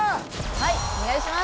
はいお願いします